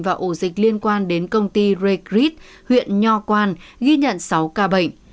và ổ dịch liên quan đến công ty regrid huyện nho quan ghi nhận sáu ca bệnh